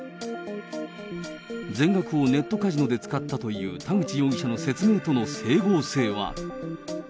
全額をネットカジノで使ったという田口容疑者の説明との整合性は。